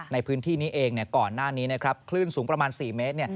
ในพื้นที่นี้เองก่อนหน้านี้นะครับคลื่นสูงประมาณ๔เมตร